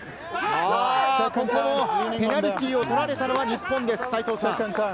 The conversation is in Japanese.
ここもペナルティーを取られたのは日本です。